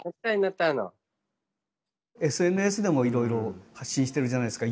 ＳＮＳでもいろいろ発信してるじゃないですか。